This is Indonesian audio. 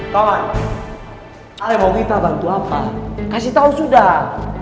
kawan kawan kita bantu apa kasih tahu sudah